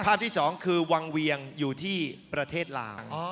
ที่๒คือวังเวียงอยู่ที่ประเทศลาว